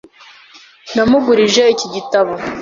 Namugurije iki gitabo .